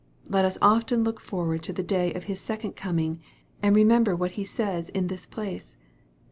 Let us often look forward to the day of His second coming, and remember what He says in this place.